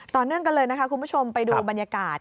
ต่อเนื่องกันเลยนะคะคุณผู้ชมไปดูบรรยากาศ